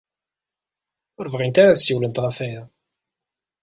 Ur bɣint ad d-ssiwlent ɣef waya.